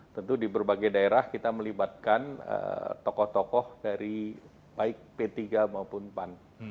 tentu di berbagai daerah kita melibatkan tokoh tokoh dari baik p tiga maupun pan